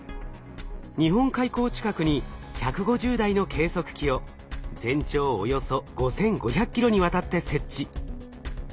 日本海溝近くに１５０台の計測器を全長およそ５，５００ｋｍにわたって設置。